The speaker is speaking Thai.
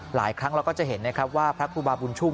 หลายครั้งเราก็จะเห็นนะครับว่าพระครูบาบุญชุ่ม